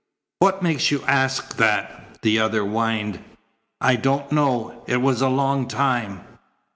"What makes you ask that?" the other whined. "I don't know." "It was a long time?"